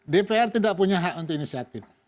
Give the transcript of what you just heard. dpr tidak punya hak untuk inisiatif